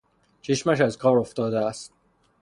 چشمش از کار افتاده است